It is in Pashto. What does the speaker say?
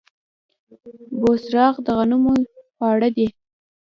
بوسراغ د غنمو خواړه دي.